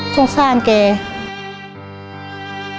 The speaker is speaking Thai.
สงสารเก่ย